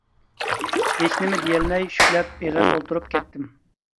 ھېچنېمە دېيەلمەي شۈكلەپ ئېغىر ئولتۇرۇپ كەتتىم.